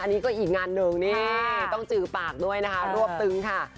อันนี้ก็อีกงานหนึ่งนี่ต้องจือปากด้วยนะคะรวบตึงค่ะ